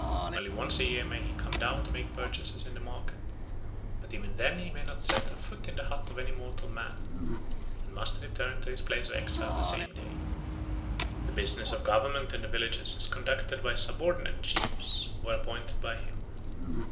Only once a year may he come down to make purchases in the market; but even then he may not set foot in the hut of any mortal man, and must return to his place of exile the same day. The business of government in the villages is conducted by subordinate chiefs, who are appointed by him.